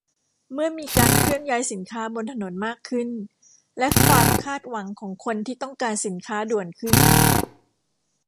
เมื่อมีการเคลื่อนย้ายสินค้าบนถนนมากขึ้น และความคาดหวังของคนที่ต้องการสินค้าด่วนขึ้น